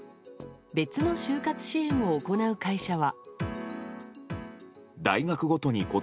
別の就活支援を行う会社は。